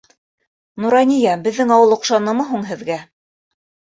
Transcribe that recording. Нурания, беҙҙең ауыл оҡшанымы һуң һеҙгә?